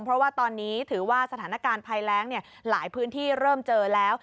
เพราะว่าตอนนี้ถือว่าสถานการณ์ภัยแรงหลายพื้นที่เริ่มเจอแล้ว